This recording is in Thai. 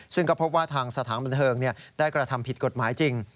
ซึ่งก็พบว่าทางสถานบันเทิงได้กระทำผิดกฎหมายจริง